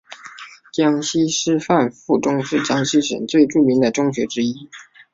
江西师大附中是江西省最著名的中学之一。